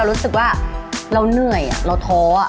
รู้สึกว่าเราเหนื่อยเราท้อ